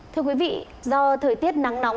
thưa quý vị do thời tiết nắng nóng